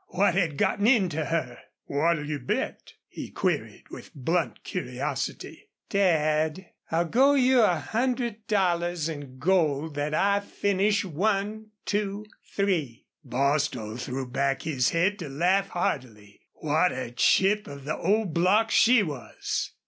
What had gotten into her? "What'll you bet?" he, queried, with blunt curiosity. "Dad, I'll go you a hundred dollars in gold that I finish one two three." Bostil threw back his head to laugh heartily. What a chip of the old block she was!